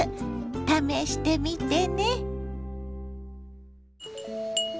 試してみてね。